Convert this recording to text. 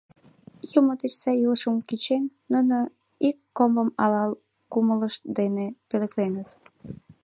Юмо деч сай илышым кӱчен, нуно ик комбым алал кумылышт дене пӧлекленыт.